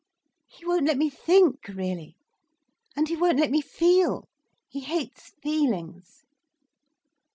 He won't let me think, really, and he won't let me feel—he hates feelings."